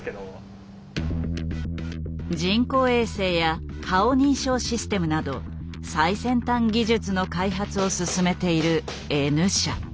人工衛星や顔認証システムなど最先端技術の開発を進めているＮ社。